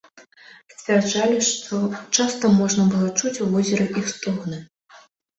Сцвярджалі, што часта можна было чуць у возеры іх стогны.